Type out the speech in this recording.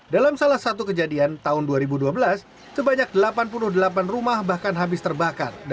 dalam salah satu kejadian tahun dua ribu dua belas sebanyak delapan puluh delapan rumah bahkan habis terbakar